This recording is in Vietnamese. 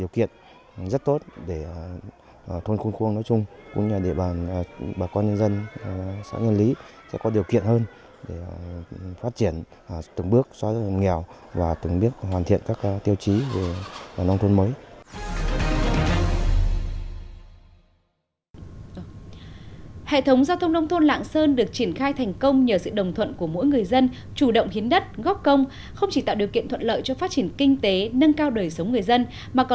phong trào làm đường giao thông nông thôn ở lạng sơn những năm qua đã có phần tích cực